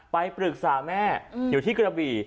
ไปปรึกษาแม่อยู่ที่กระบี่